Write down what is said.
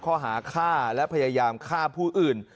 ข้อหาฆ่าและพยายามฆ่าผู้อื่น